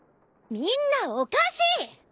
みんなおかしい！